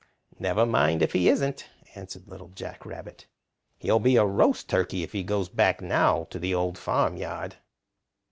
"Never mind if he isn't," answered Little Jack Rabbit. "He'll be a Roast Turkey if he goes back now to the Old Farmyard."